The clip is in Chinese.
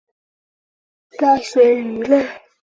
西昌华吸鳅为平鳍鳅科华吸鳅属的淡水鱼类。